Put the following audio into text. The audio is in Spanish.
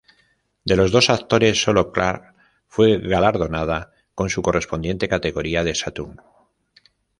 De los dos actores sólo Clark fue galardonada con su correspondiente categoría de Saturn.